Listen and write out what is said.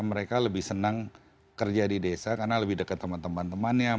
mereka lebih senang kerja di desa karena lebih dekat teman temannya